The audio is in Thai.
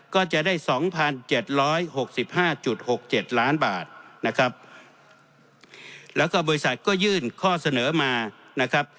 ก็จะได้สองพันเก้าร้อยหกสิบห้าจุดหกเจ็ดล้านบาทนะครับแล้วก็บริษัทก็ยื่นข้อเสนอมานะครับ